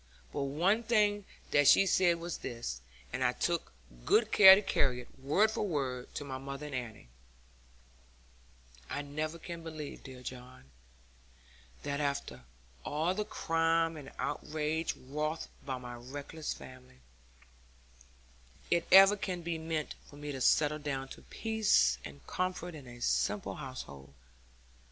But one thing that she said was this, and I took good care to carry it, word for word, to my mother and Annie: 'I never can believe, dear John, that after all the crime and outrage wrought by my reckless family, it ever can be meant for me to settle down to peace and comfort in a simple household.